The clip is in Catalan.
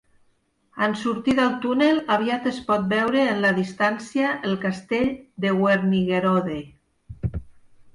En sortir del túnel aviat es pot veure en la distància el castell de Wernigerode.